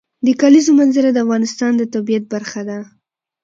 د کلیزو منظره د افغانستان د طبیعت برخه ده.